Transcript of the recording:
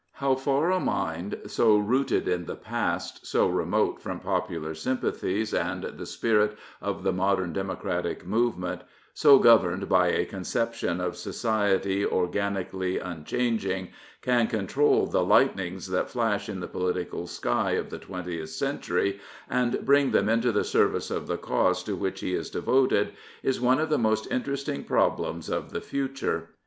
How far a mind so rooted in the past, so remote from popular sympathies and the spirit of the modem democratic movement, so governed by a conception of society organicadly unchanging, can control the lightnings that flash in the political sky of the twentieth century and bring them into the service of the cause to which he is devoted is one of the most interesting problems of the future.